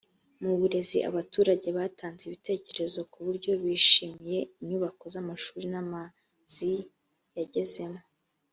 mu burezi abaturage batanze ibitekerezo ku buryo bishimiye inyubako z’ amashuri n’amazi yagezemo